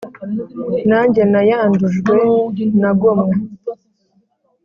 nange nayandujwe na gomwa